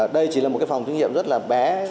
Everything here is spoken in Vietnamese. đây chỉ là một phòng thí nghiệm rất bé